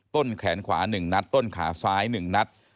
ต้นแขนขวา๑นัดต้นขาซ้าย๑นัด